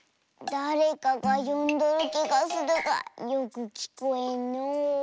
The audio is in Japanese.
だれかがよんどるきがするがよくきこえんのう。